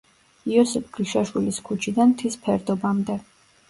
იოსებ გრიშაშვილის ქუჩიდან მთის ფერდობამდე.